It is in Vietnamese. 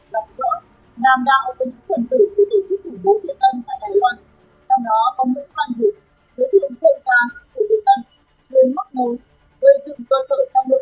là ông tỉnh kêu gọi những khuất khổ về an ninh chính trị và an ninh sự tự